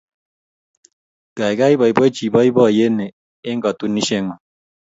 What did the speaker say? Gaigai boiboichi boiboiyet ni eng katunishiengung